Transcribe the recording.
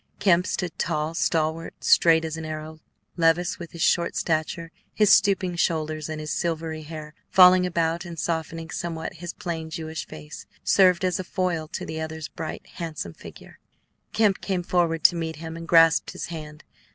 Kemp stood tall, stalwart, straight as an arrow; Levice, with his short stature, his stooping shoulders, and his silvery hair falling about and softening somewhat his plain Jewish face, served as a foil to the other's bright, handsome figure. Kemp came forward to meet him and grasped his hand.